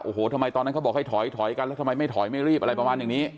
โอ้โหทำไมตอนนั้นเขาบอกให้ถอยถอยกันแล้วทำไมไม่ถอยไม่รีบอะไรประมาณอย่างนี้